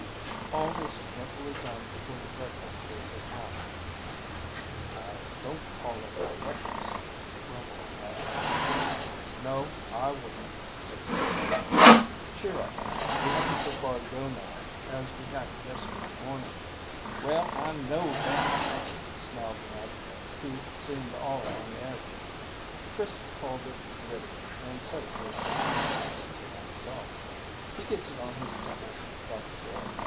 All this carefully done before the breakfast was attacked. "I don't call it a breakfast," grumbled Ned. "No, I wouldn't," said Chris. "Cheer up; we haven't so far to go now as we had yesterday morning." "Well, I know that," snarled Ned, who seemed all on edge. Chris called it gritty, and said it was the sand to himself. "He gets it on his temper," thought the boy.